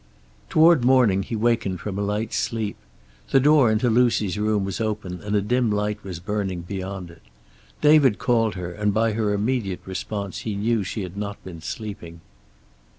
Toward morning he wakened from a light sleep. The door into Lucy's room was open and a dim light was burning beyond it. David called her, and by her immediate response he knew she had not been sleeping.